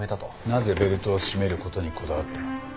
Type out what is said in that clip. なぜベルトを締めることにこだわった。